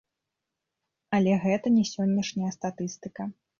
Але гэта не сённяшняя статыстыка.